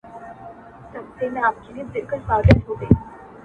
• پرېښودلای خو يې نسم ـ